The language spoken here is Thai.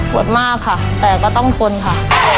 มากค่ะแต่ก็ต้องทนค่ะ